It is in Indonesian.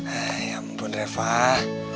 eh ya ampun raifah